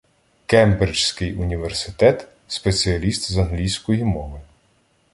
Кембриджський університет, спеціаліст з англійської мови.